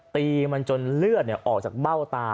ตีมันจนเลือดออกจากเบ้าตา